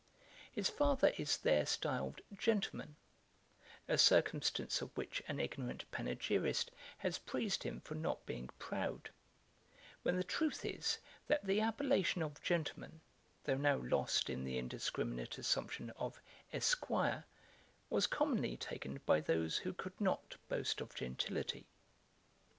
His father is there stiled Gentleman, a circumstance of which an ignorant panegyrist has praised him for not being proud; when the truth is, that the appellation of Gentleman, though now lost in the indiscriminate assumption of Esquire, was commonly taken by those who could not boast of gentility.